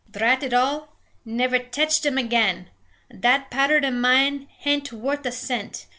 "Drat it all! Never tetched 'im again. That paowder o' mine hain't wuth a cent.